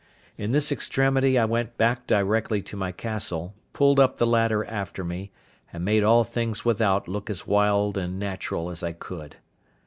In this extremity I went back directly to my castle, pulled up the ladder after me, and made all things without look as wild and natural as I could.